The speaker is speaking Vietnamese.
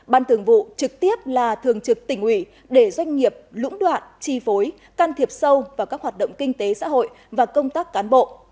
ban thường vụ trực tiếp là thường trực tỉnh ủy để doanh nghiệp lũng đoạn chi phối can thiệp sâu vào các hoạt động kinh tế xã hội và công tác cán bộ